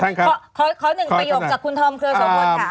ขอ๑ประโยคจากคุณธอมเคลยส่วนค่ะ